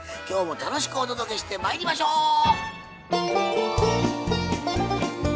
今日も楽しくお届けしてまいりましょう！